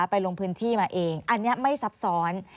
ลงพื้นที่มาเองอันนี้ไม่ซับซ้อน